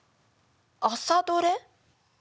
「朝どれ」？